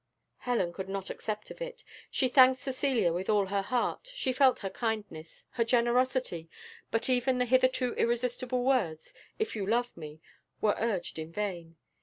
Helen could not accept of it; she thanked Cecilia with all her heart, she felt her kindness her generosity, but even the hitherto irresistible words, "If you love me," were urged in vain.